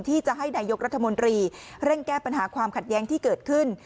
ที่จะให้นายกรัฐมนตรีเร่งแก้ปัญหาความขัดแย้งที่เกิดขึ้น